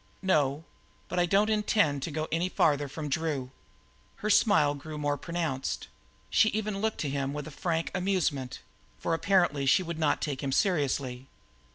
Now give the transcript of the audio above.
"No, but I don't intend to go any farther from Drew." Her smile grew more pronounced; she even looked to him with a frank amusement, for apparently she would not take him seriously.